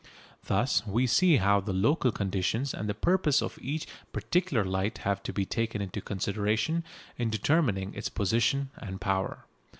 Thus we see how the local conditions and the purpose of each particular light have to be taken into consideration in determining its position and power.